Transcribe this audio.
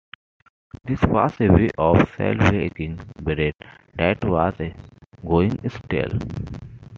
This was a way of salvaging bread that was going stale.